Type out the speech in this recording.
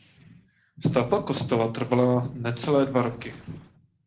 Stavba kostela trvala necelé dva roky.